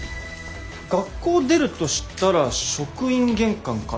学校出るとしたら職員玄関からか。